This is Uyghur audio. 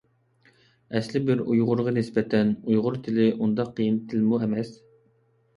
ئەسلى بىر ئۇيغۇرغا نىسبەتەن، ئۇيغۇر تىلى ئۇنداق قىيىن تىلمۇ ئەمەس.